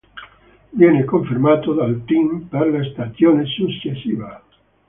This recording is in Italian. Viene confermato dal team per la stagione successiva.